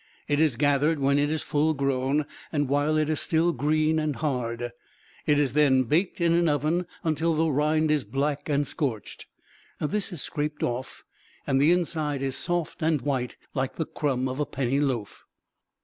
It is gathered when it is full grown, and while it is still green and hard; it is then baked in an oven until the rind is black and scorched. This is scraped off, and the inside is soft and white, like the crumb of a penny loaf."